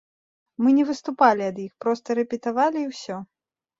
Мы не выступалі ад іх, проста рэпетавалі і ўсё.